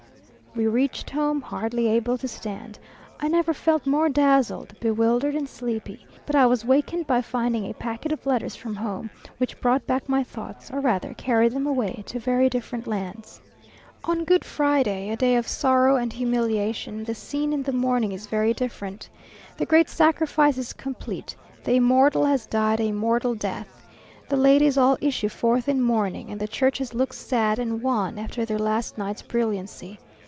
We reached home hardly able to stand. I never felt more dazzled, bewildered, and sleepy; but I was wakened by finding a packet of letters from home, which brought back my thoughts, or rather carried them away to very different lands. On Good Friday, a day of sorrow and humiliation, the scene in the morning is very different. The great sacrifice is complete the Immortal has died a mortal death. The ladies all issue forth in mourning, and the churches look sad and wan after their last night's brilliancy.